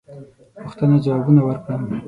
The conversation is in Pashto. پوښتنو جوابونه ورکړم.